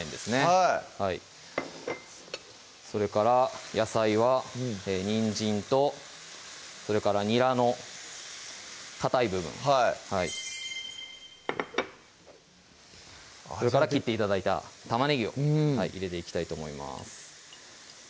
はいそれから野菜はにんじんとそれからニラの硬い部分それから切って頂いた玉ねぎを入れていきたいと思います